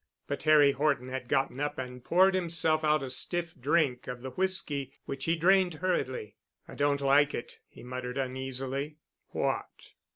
But Harry Horton had gotten up and poured himself out a stiff drink of the whisky, which he drained hurriedly. "I don't like it," he muttered uneasily. "What?"